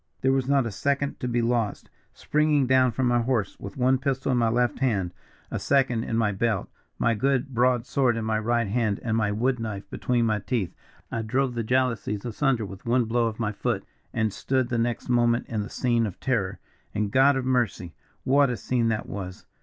"There was not a second to be lost. Springing down from my horse, with one pistol in my left hand, a second in my belt, my good broad sword in my right hand, and my wood knife between my teeth, I drove the frail jalousies asunder with one blow of my foot, and stood the next moment in the scene of terror. And God of mercy! what a scene that was!